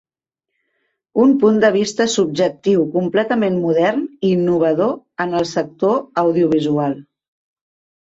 Un punt de vista subjectiu completament modern i innovador en el sector audiovisual.